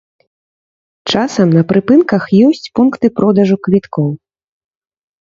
Часам на прыпынках ёсць пункты продажу квіткоў.